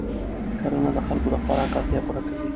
کرنه د خلکو د خوراک اړتیا پوره کوي